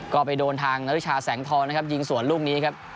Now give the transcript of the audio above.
ก็ไปโดนทางนาริชาแสงทองนะครับยิงสวนลูกนี้ครับ